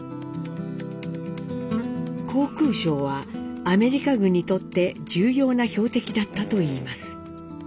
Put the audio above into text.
航空廠はアメリカ軍にとって重要な標的だったといいます。